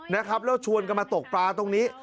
แล้วชวนกันมาตกปลาตรงนี้